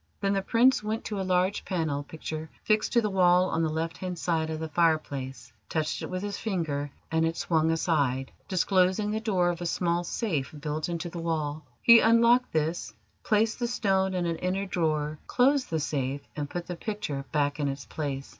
Then the Prince went to a large panel picture fixed to the wall on the left hand side of the fireplace, touched it with his finger, and it swung aside, disclosing the door of a small safe built into the wall. He unlocked this, placed the stone in an inner drawer, closed the safe, and put the picture back in its place.